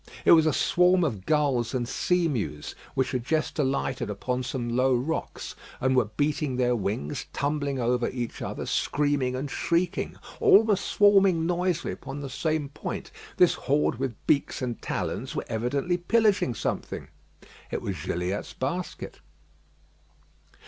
It was a swarm of gulls and seamews which had just alighted upon some low rocks, and were beating their wings, tumbling over each other, screaming, and shrieking. All were swarming noisily upon the same point. This horde with beaks and talons were evidently pillaging something. It was Gilliatt's basket.